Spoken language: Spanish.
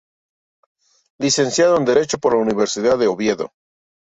Licenciado en derecho por la Universidad de Oviedo.